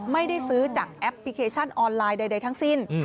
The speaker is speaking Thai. ไม่ได้ซื้อจากแอปพลิเคชันออนไลน์ใดทั้งสิ้น